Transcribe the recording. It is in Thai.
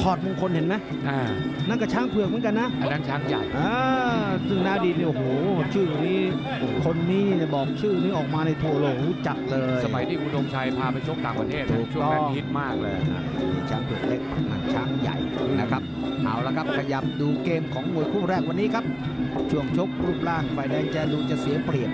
ก็ดีนะครับชุมพลหิตยศให้กระแนน๓คนรวมจิต